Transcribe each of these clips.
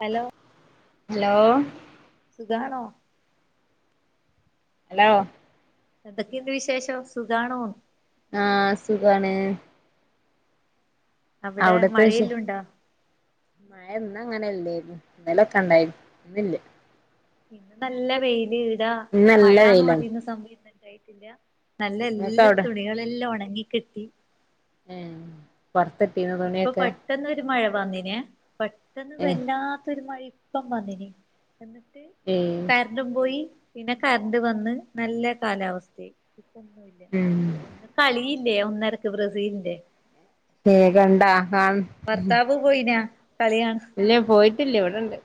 Hello. Hello. സുഖാണോ. Hello. എന്തൊക്കെഉണ്ട് വിശേഷം സുഖാനൊ ആഹ് സുഖാണ്. അവിടെ അവിടത്തെ വിശേഷ മഴയെല്ലുണ്ടോ മഴ ഇന്നങ്ങനെല്ലേര്ന്നു ഇന്നലൊക്കെണ്ടായി ഇന്ന്ല്ലേ ഇന്നു നല്ല വെയില് ഇടാ ഇന്ന് നല്ല മഴ വെയിലാണ് എന്നുപറയുന്ന സമയ തു ഇല്ല [unintelligible] നല്ല നിങ്ങക്ക് എല്ലാ അവിടെ തുണികളെല്ലാം ഒണങ്ങി കിട്ടി ഏ വറുത്തെടുക്കാൻ. ഇപ്പൊ പെട്ടന്ന് ഒരു മഴ വന്നനെ പെട്ടെന്ന് ഏഹ് വല്ലാത്തരു മഴ ഇപ്പം വന്നിന് എന്നിട്ട് ഏഹ് കണ്ടും പോയി പിന്നെ കറണ്ട് വന്ന് നല്ല കാലാവസ്ഥയ ഇപ്പൊന്നുമല്ല ഉം ഇന്ന് കളിയില്ലേ ഒന്നരക്ക് ബ്രസീലിന്റെ കേ ഖണ്ടാ കാ ഭർത്താവ് പോയിനാ കളി കാണാ ഇല്ലെ പോയിട്ടില്ലേ ഇവിടെണ്ട്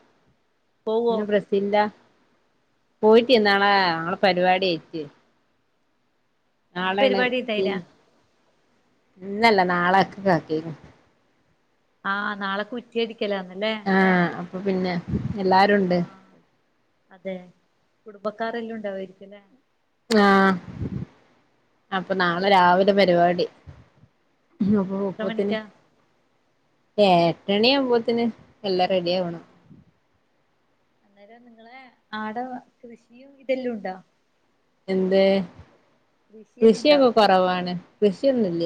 ഇന്ന് ബ്രസീലിന്റെതാ പോയിറ്റ് ന്നാളെ ആ ഞങ്ങളെ പരിപാടി ആയ്ട്ട് ഇന്ന് നാളേണ് പരിപാടി പിൻ ഇണ്ടായിനാ ഇന്നല്ല നാളക്കെക്ക് ആക്കിണ് ആഹ് നാളെ കുറ്റ് റ്റ്യടിക്കലാന്ന്ല്ലെ ആഹ് അപ്പ പിന്നെ എല്ലാരുണ്ട്. ആഹ് അതെ കുടുമ്പക്കാരെല്ലുണ്ടാവെയിക്കു ല്ലേ ആഹ് അപ്പ നാളെ ആഹ് രാവിലെ പരിപാടി അപ്പ എത്ര പ്പത്തിന് മണിക്കാ ഏ എട്ടണിആവുമ്പത്തിന് എല്ലാ റെഡി ആവണം ആഹ് അന്നേരം നിങ്ങളെ ആടെ കൃഷിയും ഇതെല്ലുണ്ടോ? എന്ത് കൃഷിയെല്ലാം കൃഷി ഉണ്ടോ ഓക്കെ കൊറവാണ്. കൃഷി ഒന്നുല്ല.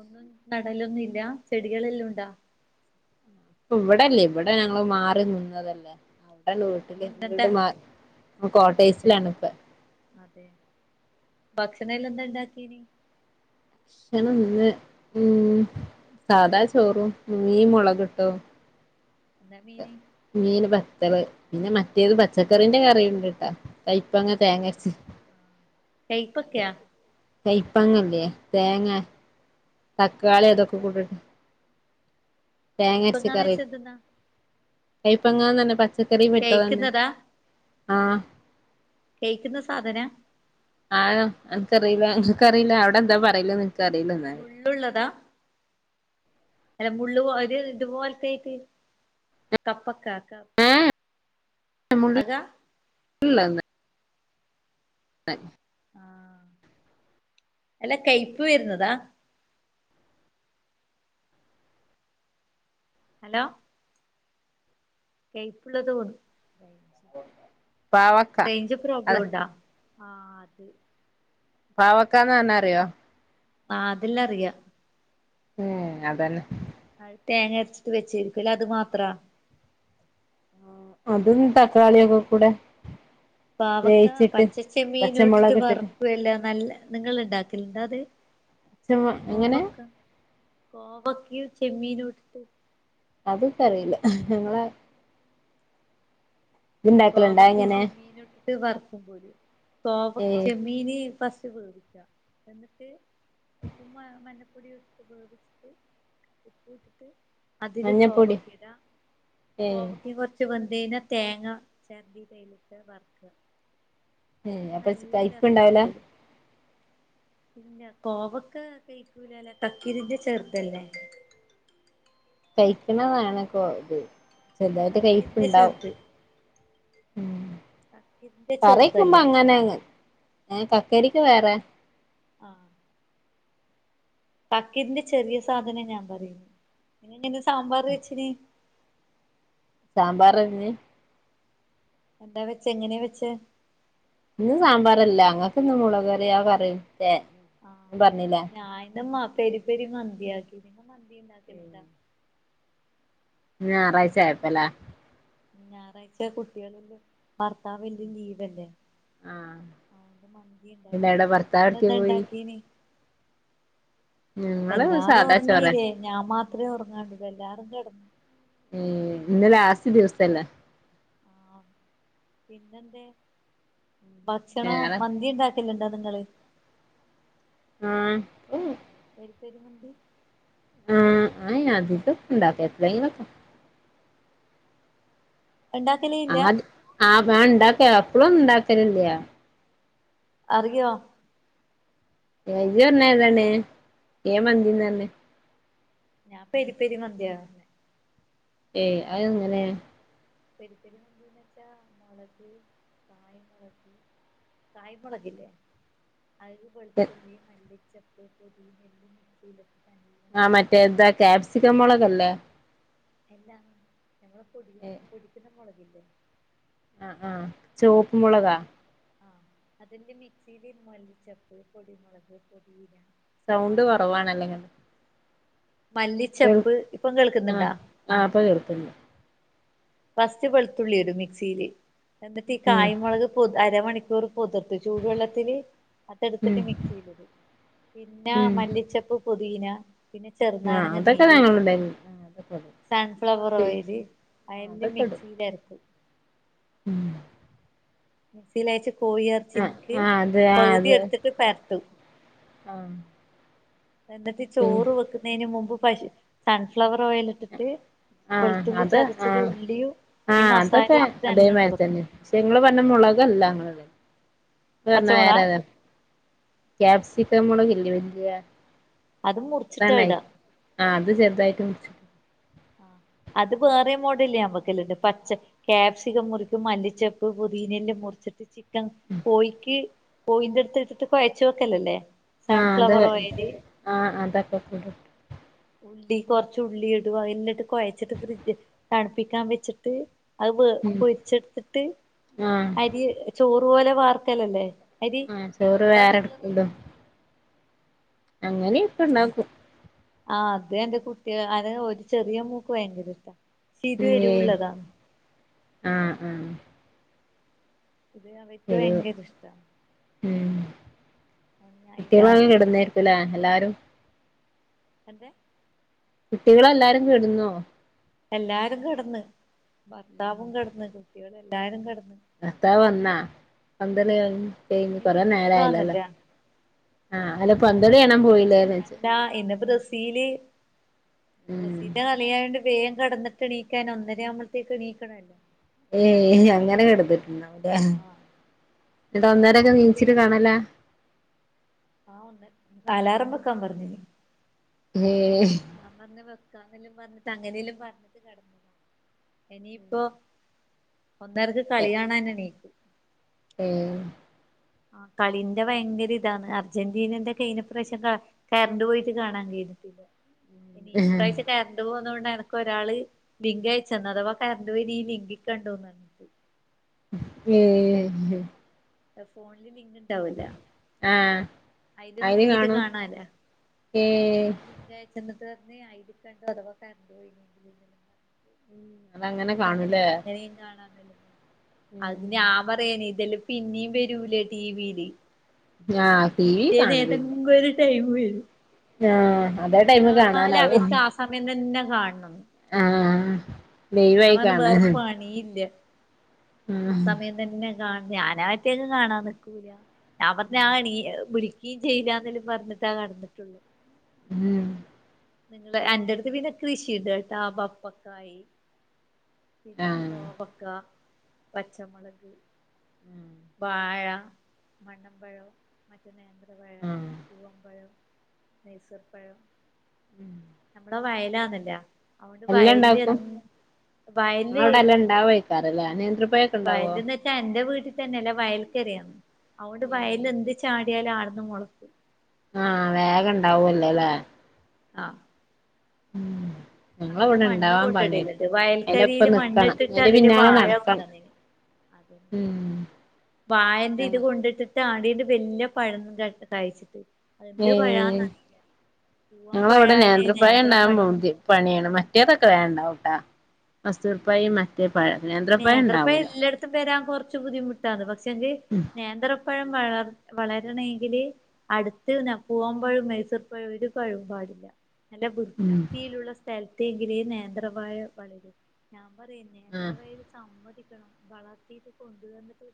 ഒന്നും നടലൊന്നുല്ല ചെടികളെല്ലാണ്ടോ? ഇവടെല്ലേ ഇവടെ ഞങ്ങൽ മാറി നിന്നതല്ലേ ഇവടല്ല ഇനി എന്തെണ്ടാ വീട്ടിൽ അതെ കോട്ടേഴ്സിൽ അതെ ആണ്. അതെ ഭക്ഷണ അല്ലോ എന്താ ഉണ്ടാക്കി. ഭക്ഷണം ന്ന് മ് സാധാ ചോറും മീം മുളകിട്ടദും എന്താ മീന്? മീൻ ബത്തള് പിന്നെ മറ്റേത് പച്ചക്കറിന്റെ കറീണ്ട്ട്ടാ. കൈപ്പങ്ങ തേങ്ങരച്ചത്. കൈപക്കയാ? കയ്പ്പങ്ങല്ലേ തേങ്ങ തക്കാളി അതൊക്കെ കൈപ്പങ്ങ കൂടെട്ട്. തേങ്ങരച്ച കൈപ്പങ്ങാന്ന് കറി വെച്ചാ എന്തെന്നാ കൈപ്പങ്ങ തന്നെ പച്ചക്കറി പെട്ടതെന്നെ. കഴിക്കുന്നതാ ആഹ് കയ്ക്ക്ന്ന സാധനാ ആഹ് എനക്ക്റിയില്ല എനക്കറിയില്ല അവടെ ന്താ പറീണെ എനിക്കറീല ന്നാല് ഉള്ളൂള്ളതാ അല്ല മുള്ള് പോ ഒര് ഇതുപോലത്തെ ആയിട്ട് കപ്പക്ക മുള്ള് അതാ [unintelligible] ള്ളെ ആഹ് അല്ല കൈപ്പ് വര്ന്നതാ? ഹലോ കൈപ്പ്ള്ളത് പാവക്ക റേഞ്ച് പ്രോബ്ലം അതെ ഉണ്ട്ടോ ആഹ് അത്. പാവക്കാന്ന് പർഞ്ഞാറിയോ ആഹ് അതെല്ലാറിയാ മ് അതന്നെ അ തേങ്ങ അരച്ചിട്ട് വെച്ചിരിക്കല്ലെ അത് മാത്ര അതും തക്കാളി ഒക്കെ കൂടെ പാവക്കാ വേവിച്ചിട്ട് പച്ചച്ചെമ്മീനൂട്ട്ട്ട് പച്ചമുളക് വർ ഇട്ടിട്ട് നിങ്ങള് ണ്ടാക്കല്ണ്ടോ അത് പച്ചമൊ എങ്ങനെ കോവക്ക? കോവക്കീം ചെമ്മീനൂട്ട്ട്ട് അത്ക്കറീല ഞങ്ങളെ ഇത്ണ്ടാക്കലുണ്ടാ കോവക്കീം ഇങ്ങനെ ചെമ്മീനുട്ട്ട്ട് വർക്കും പോലും കോവ ഏഹ് ചെമ്മീന് ഫസ്റ്റ് വേവിക്കും എന്നിട്ട് ഉപ്പും മല്ലപ്പൊടി വ് ഉപയോഗിച്ചിട്ട്. ഉപ്പൂട്ട്ട്ട് അതില് മഞ്ഞപ്പൊടി കോവക്കേട്ആ ഏഹ് കോവക്കീം കൊർച്ച് വന്തയ്ഞ്ഞാ തേങ്ങ ഛർകീതയ്ലത്തെ വർക്കാ മ് അപ്പ രസാ കൈപ്പ്ണ്ടാവൂല പോലും പിന്നെ കോവക്ക കൈക്കൂലലോ കക്കിരീന്റെ ചെർധല്ലേ കൈക്ക്ണതാണ്ക്കോ ത് ചെർതായിട്ട് കക്കിരിന്റെ കൈപ്പ്ണ്ടാവും. ചെറുത് ഉം കക്കിരിന്റെ കറി വെക്കുമ്പൊ ചെറുതല്ലേ അങ്ങനെയങ്ങ് ഏ കക്കരിക്ക വേറെ ആഹ് കക്കരിന്റെ ചെറിയ സാധനം ഞാൻ പറയുന്ന് പിന്നെ എങ്ങനെ സാമ്പാർ വെച്ചിന്. സാമ്പാറതിന് എന്താ വെച്ച് എങ്ങനെയാ വെച്ച് ഇന്ന് സാമ്പാറല്ല അങ്ങക്ക് ഇന്ന് മുളക് കറിയാ [unintelligible] ആഹ് പറഞ്ഞില്ലേ ഞാനിന്ന് പെരി പെരി മന്തിയാക്കിനി ഇങ്ങള് മന്തി ഇണ്ടാക്കല്ണ്ടാ ഇന്ന് ഞായറാഴ്ച ആയപ്പല്ലേ ഞായറാഴ്ച കുട്ടികളില്ലേ ഭർത്താവിന്നും ലീവല്ലേ ആഹ് ആഹ് ഇന്ന് മന്തിണ്ടാക്കി. ഇല്ലടെ ഭർത്താവ് ഇങ്ങളെ എവിടേക്ക് ന്താ പോയി ഇണ്ടാക്കീന് ഞങ്ങള് എല്ലാറും സാദാ ചോറ് ഒറങ്ങീല്ലേ. ഞാൻ മാത്രേ ഒറങ്ങാണ്ടുള്ളൂ. എല്ലാരും കെടന്നു. മ്മ് ഇന്ന് ലാസ്റ്റ് ദിവസല്ലേ. ആ പിന്നെന്തേ? ഭക്ഷണം വേറെ മന്തി ഉണ്ടാ [unintelligible] ക്കലുണ്ടോ നിങ്ങള് ആഹ് പെരി പെരി മന്തി ആഹ് [unintelligible] [unintelligible] ആത് [unintelligible] എപ്പളൊന്നുണ്ടാക്കലില്ല്യ അറിയോ? [unintelligible] ഏ മന്തീന്നാ പറഞ്ഞ് ഞാൻ പെരിപെരി മന്തിയാ ഏയ് അതെങ്ങനെയാ? പെരിപ്പരി മന്തീന്ന് വെച്ച മുളക് കായെമുളക് കായെമൊളകില്ലേ അയില് വെളുത്തുള്ളി, മല്ലിച്ചെപ്പ്, പൊതിനില മിക്സിയിലിട്ട് [unintelligible] ആഹ് മറ്റേ എന്താ ക്യാപ്സിക്ക മൊളകല്ലേ? എല്ലാ. ഞമ്മള് പൊടി പൊടിക്കുന്ന മുളകില്ലേ ആഹ് ആഹ് ചുവപ്പ് മുളകാ [unintelligible] ആഹ് അതിന്റെ മിക്സിയില് മല്ലിചെപ്പ്, പൊടിമുളക്, പൊതീന സൗണ്ട് കുറവാണല്ലൊ നിങ്ങ മല്ലിച്ചെപ്പ് ഇപ്പം ആഹ് കേൾക്കുന്നുണ്ടാ ആഹ് ഇപ്പൊ കേൾക്ക്ണ്ട് ഫസ്റ്റ് വെളുത്തുള്ളി ഇടും മിക്സിയില്. എന്നിട്ട് ഈ ഉം കായമുളക് അരമണിക്കൂർ പൊതിർത്ത്. ചൂടുവെള്ളത്തില് അത് ഉം എടുത്തിട്ട് മിക്സിയിലിടും. പിന്നെ ഉം മല്ലിച്ചെപ്പ്, പൊതീന പിന്നെ ആഹ് അതൊക്കെ ചെറുനാരങ്ങനീര്, ഞങ്ങളുടെയ്ന് ആഹ് അതൊക്കെ ഇടും സൺഫ്ലവർ ശരി ഓയില് ആഹ് [unintelligible] മിക്സീലരക്കും. മ്മ് മിക്സീല് അരച്ച് ആഹ് കോഴിയെറച്ചിനിക്ക് ആഹ് അത് ആഹ് പകുതി അത് എടുത്തിട്ട് പെരട്ടും. ആഹ് എന്നിട്ട് പിൻ ചോറ് വെക്കുന്നതിന്മുമ്പ് പശു സൺഫ്ലവർ ഓയിൽ ഇട്ടിട്ട് ആഹ് വെളുത്തുള്ളി അത് ചതച്ചതും ആഹ് ഉള്ളിയും ഈ ആഹ് മസാല അതൊക്കെ ഇട്ടിട്ട് നല്ലണം അതേമാതിരി എളക്കും. തന്നെ പക്ഷെ ഇങ്ങള് പറഞ്ഞ മുളകല്ല ഞങ്ങളത്. നിങ്ങള് പറഞ്ഞ പച്ചമുളകാ വേറെ ഏതോ കാപ്സിക്കം മൊളകില്ലേ വല്ല്യ അതും മുറിച്ചിട് ഇടാ. ആ അത് ചെറുതായിട്ട് മുറിച്ചിട്ട് അത് വേറെ മോഡല് ഞാൻ വെക്കല്ലുണ്ട് പച്ച കാപ്സിക്കം മുറിക്കും. മല്ലിച്ചപ്പ് പൊതീനെല്ലാം മുറിച്ചിട്ട് ചിക്കൻ കോഴിക്ക് കോയിന്റെ അടുത്ത് എടുത്തിട്ട് കൊഴച്ച വെക്കല്ലല്ലേ [unintelligible] ഉള്ളി കൊറച് ഉള്ളി ഇടുവ. എന്നിട്ട് കൊഴച്ചിട്ട് ഫ്രിഡ്ജ് തണുപ്പിക്കാൻ വെച്ചിട്ട് അത് ഉം പൊരിച്ചെടുത്തിട്ട്. ആഹ് അരി ചോറ് പോലെ വാർക്കലല്ലേ അരി ആ ചോറ് അതാ വേറെ നിങ്ങള് പറയുന്നേ അങ്ങനിയൊക്കെ ഉണ്ടാക്കും ആ അത് എന്റെ കുട്ടിക അന ഒരു ചെറിയ മോക്ക് ഭയങ്കര ഇഷ്ട നിഹെ ആഹ ആഹ ഇത് അവറ്റ ഒരു ഭയങ്കര ഇഷ്ട ഉം ഞാൻ കുട്ടികള ഇതാക്കി കെടുന്നേരിക്കും ലെ എല്ലാരും എന്തെ കുട്ടികളല്ലാരും കെടുന്നോ എല്ലാരും കെടന്നു ഭർത്താവും കെടന്ന് കുട്ടികളല്ലാരും കെടന്ന് ഭർത്താവ് വന്ന പന്തളി കൈഞ്ഞ് ഇന്ന് കൊറേ നേരായല്ലോലെ ലീവാന്നല്ലേ ആഹ് അല്ല പന്തളി കാണാൻ പോയില്ലേന്ന് വെച്ച തിൽ ബസീന്റെ കളിയായണ്ട് വേഗം കടന്നിട്ട്ണീക്കാ ൻ ഒന്നരേ ആുമ്പോഴത്തേക്ക് എണീക്കണല്ലോ ഏയ് അങ്ങനെയൊക്കെ എടുത്തിട്ടുണ്ട ആഹ് എന്നിട്ട് ഒന്നേരൊക്കെ അതൊണ്ട് നീച്ചിട്ട് കാണലേ ആ ഒന്നര അലാറം വെക്കാൻ പറിഞ്ഞിനി മം ഞാൻ പറഞ്ഞ വെക്കാ എന്നലും പറഞ്ഞി്ങ്ങനെലും പറഞ്ഞിട്ട് കടന്ന ഇനിയിപ്പോ ഒന്നരക്ക് കളി കാണാൻ നീക്കും ഏഹ് ആ കളിന്റെ ഭയങ്കര ഇതാണ് അർജന്റീനന്റെ കൈഞ പ്രാവിശ്യം കറണ്ട് പോയിട്ട് കാണാൻ കഴിഞ്ഞിട്ടില്ല ഇനിഈ പ്രാവശ്യ കറണ്ട് പോകന്ന കൊണ്ട് എനക്ക് ഒരാള് ലിങ്ക് അയച്ച തന്നു അത വാ കറണ്ട് പേ ഈ ലിങ്കി കണ്ട തോന്നണ്ട് ഏ ഫോണില് ലിങ്ക് ണ്ടാവൂല ആഹ് അയിൽ അയില് നോക്കീട്ട് കാണും കാണാലെ ഏഹ് ലിങ്ക് അയച്ചന്ന് പറഞ്ഞു അയിൽ കണ്ടോ അഥവാ കറന്റ് പോയിന ഞാൻ അതങ്ങനെ പറഞ്ഞ കാണൂല്ലേ അങ്ങനെയങ്ക അങ്ങനെയും കാണാന്നല്ല അത് ഉം ഞാൻ പറയാന് ഇതെല്ലാം പിന്നേും വരൂലേ ടിവിയില് ആഹ് ടി വി പിറ്റേന്നേതെങ്കിലും ഒരു ടൈം വരും ആ അതേ ടൈമ എന്നാലും കാണാനാവും അവർക്ക് ആ സമയം തന്നെ കാണണം ആഹ ഞാൻ ലൈവായി പറഞ്ഞ് വേറെ കാണാന് പണിയില്ല ആ ആഹ് സമയം തന്നെ കാ ഞാന ആട്ടേക്കെ കാണാൻ നി ക്കൂല ഞാൻ പറഞ്ഞ ആണീ വിളിക്കുകയും ചെയ്ല്ലാ എന്നലും പറഞ്ഞിട്ടാ കടന്നിട്ടുള്ളു ഉം നിങ്ങള് എന്റെ അടുത്ത് പിന്നെ കൃഷി ഇട കേട്ടാ പപ്പക്കായി [unintelligible] പിന്നെ ആഹ് കോവക്ക പച്ചമുളക് ഉം വാഴ മണ്ണമ്പഴം മറ്റ നേന്ത്ര പഴ ആഹ് പൂവാംമ്പഴം മെയസൂർ പഴം നമ്മള വയലാന്നില്ല അവണ്ട് എല്ലാം വയല് എ ഇണ്ടാക്കും വയല്ല് ഉണ്ടാവ കറല്ലാ നേന്ത്ര വയലന്ന് വെച്ചാ എന്റെ വീട്ടിൽ തന്നെ അല്ലേ വയൽക്കറിയന്ന് അവൊണ്ട് ഏഹ് വയല് എന്ത് ചാടി എ ആവിന്ന് മുളക്കും ആഹ് വേഗ ണ്ടാവൊല്ലോ ല്ലേ ആഹ് ഉം അങ്ങനെ ഞങ്ങളവിടെ മണ്ണ് ഇണ്ടാവാൻ പണിയാ കൊണ്ടിടലണ്ട്. വയൽക്കരിൽ അയിന്റൊപ്പം നിക്കണം മണ്ണിട്ടിട്ട് അയിന്റെ അതില് പിന്നാലെ വാഴ നടക്കണം കൊണ്ടന്നിന് അതെ ഉം വായന്റെ ഇത് ഞങ്ങ കൊണ്ടിട്ടിട്ട് ആടീന്റെ വല്യ പഴും ക കഴച്ചിട്ട് എന്ത് ഏഹ് പഴന്നാറിയില്ല പൂവൻമ്പഴ ഞങ്ങളവിടെ അല്ലേ നേന്ത്രപ്പഴം നേന്ത്രപ്പഴ ഉണ്ടാകുമ്പോ ബുദ്ധി പണിയാണ്. മറ്റേതൊക്കെ വേം ണ്ടാവുട്ടാ മസൂർ പ്പഴിം മറ്റേ പഴ നേന്ത്രപ്പാഴ ണ്ടാവൂല ഇത് തരാൻ കുറച്ച് ബുദ്ധിമുട്ടാണ് പക്ഷെങ്കി ഉം നേന്ത്രപ്പഴം വളർ വളരണമെങ്കില് അടുത്ത് പൂവാൻ്പഴും മൈസൂർ പഴും ഒരു പയവും പാടില്ല നല്ല ഉം വൃത്തിയിലുള്ള സ്ഥലത്ത് എങ്കിലേ നേന്ത്രപയം വളരും ഞാൻ പറയുന്നേ കേന്ത്ര ആഹ് വഴൽ സമ്മതിക്കണം വളർത്തിട്ട് കൊണ്ടുവന്നിട്ട്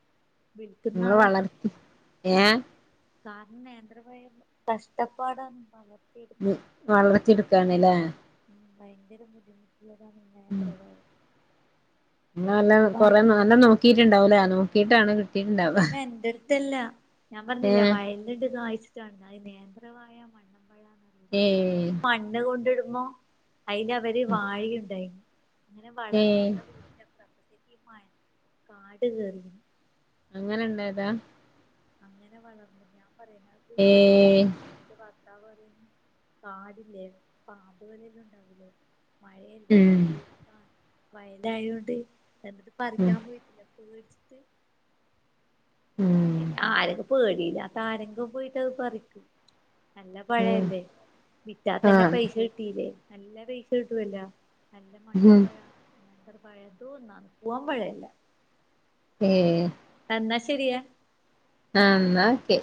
നിങ്ങള് വിളിക്കുന്നാള് വളർത്തി ഏഹ് സാറിന് നേന്ത്രപ്പഴം കഷ്ടപ്പാടാണ് പറഞ്ഞു വളർത്തിയെടുക്കാണ് അല്ലേ ഭയങ്കര ബുദ്ധിമുട്ടുള്ളതാണ് ഈ നേന്ത്രപയം ഇങ്ങള് ഓനെ കുറെ നല്ലണം നോക്കിയിട്ടുണ്ടാവൂലേ നോക്കിട്ടാണ് കിട്ടിയിട്ടുണ്ടാവ നാ എൻ്റട്ത്തല്ല ഞാൻ പറഞ്ഞില്ലേ ഏഹ് വായല് ഇത് വായിച്ചിട്ടാണ് അത് നേന്ത്രവാഴ മണ്ണ പഴ എന്ന് പറയുന്നത് ഏഹ് മണ്ണ് കൊണ്ടിടുമ്പോ അതിന് അവര് വാഴുണ്ടായിരുന്നു അങ്ങനെ വളർ ഏഹ് നമ്മുടെ വീടിന്റെ പ്രദേശത്തേക്ക് കാട് കയറി അങ്ങനെ ഉണ്ടായതാ അങ്ങനെ വളർന്ന് ഞാൻ പറയുന്ന പോയി പറിച്ചാല ഏഹ് എന്നിട്ട് കാടില്ലേ പാമ്പുകളെല്ലാം ഉണ്ടാവലേ മഴയല്ലേ ഇപ്പൊ ഉം വീട് മഴലായ കൊണ്ട് എന്നിട്ടത് ഉം പറിക്കാൻ പോയിട്ടില്ല പേടിച്ചിട്ട് ഉം ആരക്കും പേടിയില്ലാത്ത ആരെങ്കും പോയിട്ട് അത് പറിക്കും നല്ല പഴ ഉം അല്ലെ വിറ്റാൽ തന്നെ ആഹ് പൈസ കിട്ടീല്ലേ നല്ല പൈസ കിട്ടുവല്ലോ നല്ല മണ്ണൻ ഉം പഴ നേന്ത്ര പഴയതോന്നാന്ന് പൂവാൻ പഴയല്ല ഏഹ് എന്നാ ശെരിയെ ആഹ ഇന്നാ ഓക്കെ